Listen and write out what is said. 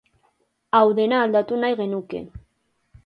Hau dena aldatu nahi genuke.